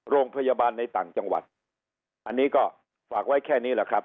โรงพยาบาลในต่างจังหวัดอันนี้ก็ฝากไว้แค่นี้แหละครับ